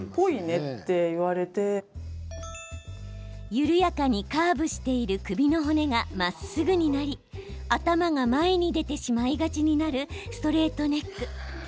緩やかにカーブしている首の骨がまっすぐになり頭が前に出てしまいがちになるストレートネック。